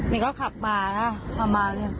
นี่เขาขับบาล่ะ